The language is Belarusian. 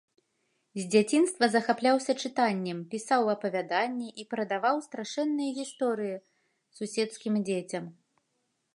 З дзяцінства захапляўся чытаннем, пісаў апавяданні і прадаваў страшэнныя гісторыя суседскім дзецям.